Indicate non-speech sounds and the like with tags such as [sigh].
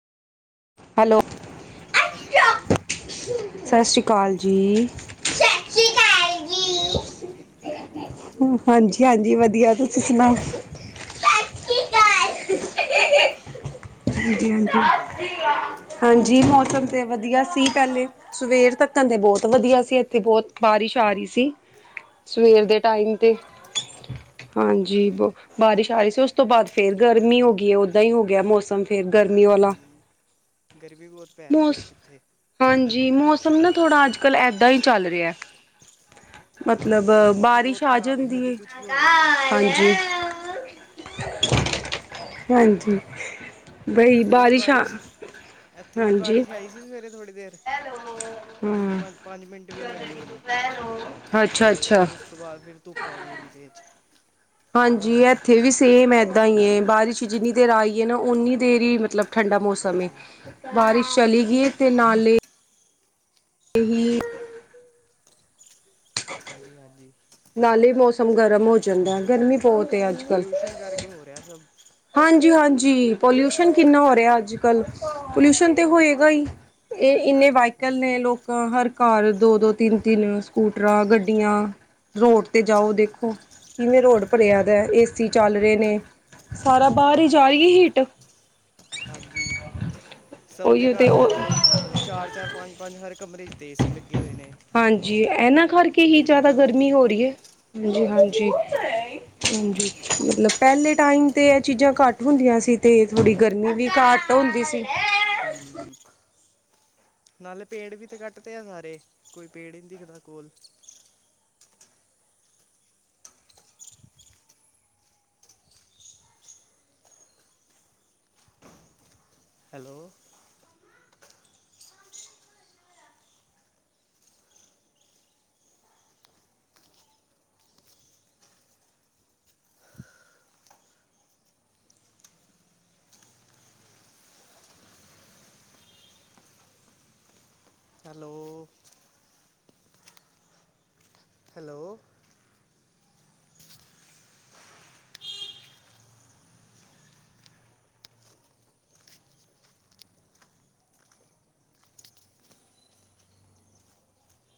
Hello. ਸਤਿ ਸ਼੍ਰੀ ਅਕਾਲ ਸਤਿ ਸ਼੍ਰੀ ਅਕਾਲ ਜੀ। [unintelligible] ਕਿਵੇਂ ਹੋ? ਹਾਂਜੀ- ਹਾਂਜੀ ਵਧੀਆ ਤੁਸੀਂ ਸੁਣਾਓ। ਸਤਿ ਵਧੀਆ- ਸ਼੍ਰੀ ਵਧੀਆ ਅਕਾਲ। ਮੌਸਮ ਹਾਂਜੀ ਕਿਵੇਂਦਾ ਹਾਂਜੀ ਉੱਥੇ। ਹਾਂਜੀ, ਮੌਸਮ ਤਾਂ ਵਧੀਆ ਸੀ ਪਹਿਲੇ। ਸਵੇਰ ਤੱਕ ਤੇ ਬਹੁਤ ਵਧੀਆ ਸੀ। ਇੱਥੇ ਬਹੁਤ ਬਾਰਿਸ਼ ਆ ਰਹੀ ਸੀ। ਸਵੇਰ ਹਾਂਜੀ ਦੇ ਟਾਈਮ, [unintelligible] ਹਾਂਜੀ ਬ ਬਾਰਿਸ਼ ਆ ਰਹੀ ਸੀ। ਉਸ ਤੋਂ ਬਾਅਦ ਫੇਰ ਗਰਮੀ ਹੋ ਗਈ ਹੈ। ਉਦਾਂ ਹੀ ਹੋ ਗਿਆ ਮੌਸਮ, ਫੇਰ ਗਰਮੀ ਵਾਲਾ ਹੁ--ਗਰਮੀ ਬੋਤ ਪੈ ਰਈ ਆ ਮੌਸ ਇੱਕ ਏਥੇ। ਹਾਂਜੀ, ਮੌਸਮ ਨਾ ਥੋੜ੍ਹਾ ਅੱਜ-ਕੱਲ੍ਹ ਐਦਾਂ ਈ ਚੱਲ ਰੇਆ। ਹਾਂਜੀ ਮਤਲਬ, ਬਹੁਤ ਮੌਸਮ ਬਾਰਿਸ਼ ਬਹੁਤ ਆ ਖ਼ਰਾਬ ਹੈ ਜਾਂਦੀ ਕਦੀ ਏ, ਕੁਛ ਵੀ ਹੋ ਜਾਂਦਾ ਹੈ ਹਾਂਜੀ। ਹਾਂਜੀ, ਬਈ ਬਾਰਿਸ਼ਾ, ਏਥੇ ਵੀ ਬਾਰਿਸ਼ ਆਈ ਸੀ ਸਵੇਰੇ ਥੋੜੀ ਦੇਰ। ਹੂੰ, ਹਰਿਦੁਆਰ ਪੰਜ ਮਿੰਟ ਵੀ ਨਈ ਆਈ ਹੋਣੀ, ਅੱਛਾ-ਅੱਛਾ। ਫੇਰ ਉਸ ਤੋਂ ਬਾਅਦ ਫੇਰ ਧੁੱਪ ਆ ਗਈ, ਏਨੀ ਤੇਜ, ਹਾਂਜੀ, ਏਥੇ ਵੀ ਸੇਮ ਏਦਾਂ ਈ ਐ, ਬਾਰਿਸ਼ ਜਿੰਨੀ ਦੇਰ ਆਈ ਆ ਨਾ, ਓਨੀ ਦੇਰ ਈ ਮਤਲਬ ਠੰਡਾ ਮੌਸਮ ਏ, ਹਾਂਜੀ ਬਾਰਿਸ਼ ਚਲੀ ਗਈ ਏ ਤੇ ਨਾਲੇ ਇਹ ਹਾਂਜੀ-ਹਾਂਜੀ। ਨਾਲੇ ਮੌਸਮ ਗਰਮ ਹੋ ਜਾਂਦਾ ਗਰਮੀ ਬਹੁਤ ਏ ਅੱਜ-ਕੱਲ। ਪੋਲਿਊਸ਼ਨ ਕਰਕੇ ਹੋ, ਰੇ, ਆ, ਸਭ। ਹਾਂਜੀ-ਹਾਂਜੀ ਪੋਲਿਊਸ਼ਨ ਕਿੰਨਾ ਹੋ, ਰੇ, ਆ, ਅੱਜ- ਕੱਲ ਪੋਲਿਊਸ਼ਨ ਤੇ ਹੋਏਗਾ ਈ। ਇਹ ਇੰਨੇ ਵੀ। ਸਾਈਕਲ ਨੇ ਹਾਂਜੀ ਲੋਕਾਂ ਹਰ ਘਰ ਦੋ- ਦੋ- ਤਿੰਨ- ਤਿੰਨ ਸਕੂਟਰਾਂ, ਗੱਡੀਆ ਰੋਡ ਤੇ ਜਾਓ, ਦੇਖੋ ਕਿਵੇਂ ਰੋਡ ਭਰੇਆ, ਦਾ ਏਸੀ ਚੱਲ ਰਏ ਨੇ। ਸਾਰਾ ਬਾਰ ਈ ਜਾ ਰਈ ਹੀਟ। ਹਾਂਜੀ, ਸਭ ਦੇ ਉਹੀਓ ਘਰ ਤੇ ਉਹ ਦੋ ਚਾਰ-ਚਾਰ -ਪੰਜ- ਪੰਜ, ਹਰ ਕਮਰੇ ਚ ਤੇ ਏ, ਸੀ ਲੱਗੇ ਹੋਏ ਨੇ। ਹਾਂਜੀ, ਏਨਾਂ ਕਰਕੇ ਹੀ ਜਾਦਾ ਤੇ ਗਰਮੀ ਹੋਏਗੀ ਹੋ ਰਈ ਏ ਬਿਲਕੁਲ, ਹਾਂਜੀ। ਹਾਂਜੀ, ਮਤਲਬ ਪੇਲੇ ਟਾਈਮ 'ਤੇ ਏ ਚੀਜ਼ਾਂ ਘੱਟ ਹੁੰਦੀਆਂ ਸੀ, ਤੇ ਥੋੜ੍ਹੀ ਗਰਮੀ ਵੀ ਘੱਟ ਓ ਹੁੰਦੀ ਸੀ। ਹੂੰ ਨਾਲੇ ਪੇੜ ਵੀ ਤੇ ਕੱਟ ਤੇ ਆ ਸਾਰੇ, ਕੋਈ ਪੇੜ ਈ ਨਈ ਦਿਖਦਾ ਕੋਲ। Hello hello hello